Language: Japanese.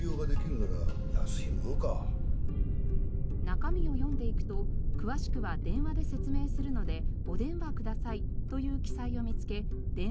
中身を読んでいくと「詳しくは電話で説明するのでお電話ください」という記載を見つけ電話をする事に。